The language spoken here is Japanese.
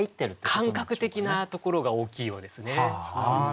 感覚的なところが大きいようですね。